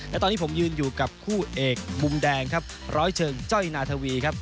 และตอนนี้ผมยืนอยู่กับคู่เอกมุมแดงครับร้อยเชิงจ้อยนาธวีครับ